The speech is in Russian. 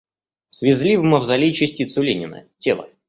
Свезли в мавзолей частицу Ленина — тело.